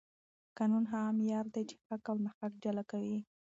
قانون هغه معیار دی چې حق او ناحق جلا کوي